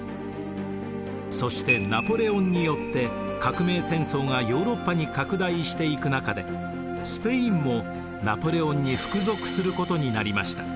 そしてナポレオンによって革命戦争がヨーロッパに拡大していく中でスペインもナポレオンに服属することになりました。